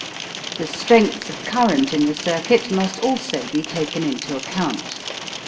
The strength of current in the circuit must also be taken into account.